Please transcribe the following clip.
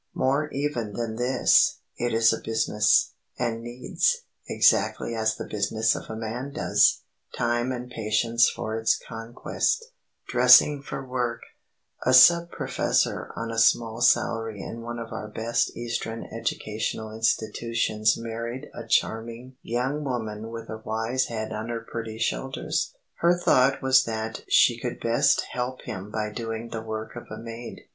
More even than this, it is a business, and needs, exactly as the business of a man does, time and patience for its conquest. [Sidenote: DRESSING FOR WORK] A sub professor on a small salary in one of our best eastern educational institutions married a charming young woman with a wise head on her pretty shoulders. Her thought was that she could best help him by doing the work of a maid.